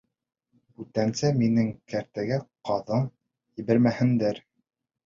Бүтәнсә минең кәртәгә ҡаҙын ебәрмәһендәр!